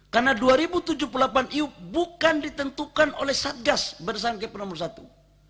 karena dua ribu tujuh puluh delapan iup bukan ditentukan oleh satgas pada saat capres nomor satu